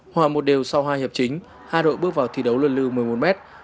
hòa một đều sau hai hiệp chính hai đội bước vào thi đấu lưu lưu một mươi một mét